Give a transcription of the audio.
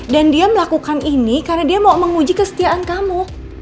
dan dia melakukan ini karena dia mau menguji kesetiaan kamu